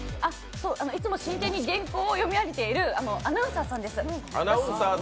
いつも真剣に原稿を読み上げているアナウンサーさんです。